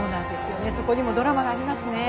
そこにもドラマがありますね。